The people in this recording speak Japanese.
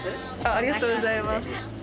ありがとうございます